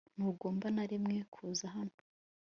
Ntugomba na rimwe kuza hano